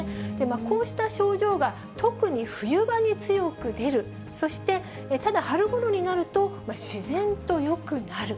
こうした症状が特に冬場に強く出る、そしてただ、春ごろになると自然とよくなる。